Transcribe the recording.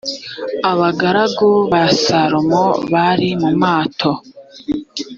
abagaragu ba salomo bari mu mato.